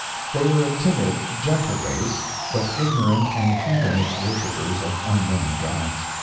They were a timid, gentle race, but ignorant, and heathenish worshipers of unknown gods.